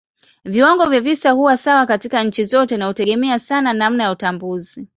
Viwango vya visa huwa sawa katika nchi zote na hutegemea sana namna ya utambuzi.